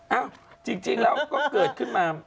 เอ้าจริงแล้วก็เกิดขึ้นมา